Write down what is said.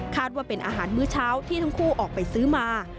ว่าเป็นอาหารมื้อเช้าที่ทั้งคู่ออกไปซื้อมา